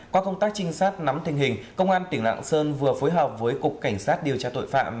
qua công tác trinh sát nắm tình hình công an tỉnh lạng sơn vừa phối hợp với cục cảnh sát điều tra tội phạm